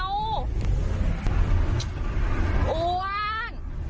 อ้วน